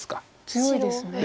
強いですね。